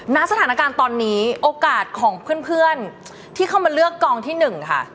ณสถานการณ์ตอนนี้โอกาสของเพื่อนที่เข้ามาเลือกกองที่๑ค่ะ